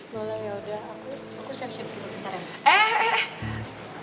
boleh yaudah aku siap siap dulu